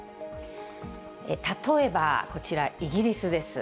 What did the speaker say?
例えばこちら、イギリスです。